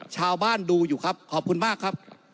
ชาวบ้านดูอยู่ครับขอบคุณมากครับ